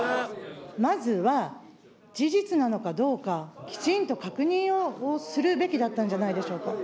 まずは、事実なのかどうか、きちんと確認をするべきだったんじゃないでしょうか。